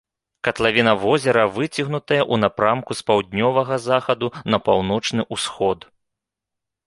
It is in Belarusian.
Катлавіна возера выцягнутая ў напрамку з паўднёвага захаду на паўночны ўсход.